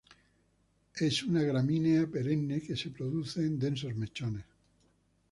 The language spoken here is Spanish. Es una gramínea perenne que se produce en densos mechones.